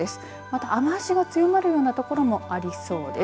また雨足が強まるところもありそうです。